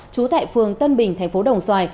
chú tại phường tân bình tp đồng xoài